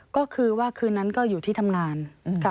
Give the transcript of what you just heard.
ก็คือว่าคืนนั้นก็อยู่ที่ทำงานค่ะ